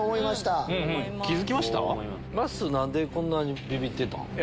何でこんなにビビってたん？